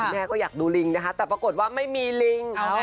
แม่ก็อยากดูลิงนะคะแต่ปรากฏว่าไม่มีลิง